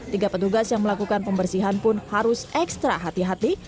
tiga petugas yang melakukan pembersihan pun harus ekstra hati hati